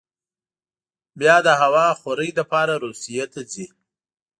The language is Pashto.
بیا د هوا خورۍ لپاره روسیې ته ځي.